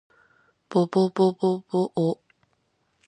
ぼぼぼぼぼお